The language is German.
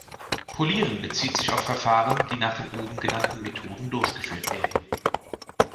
Polieren bezieht sich auf Verfahren, die nach den oben genannten Methoden durchgeführt werden.